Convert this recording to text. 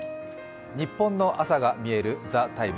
ニッポンの朝がみえる「ＴＨＥＴＩＭＥ，」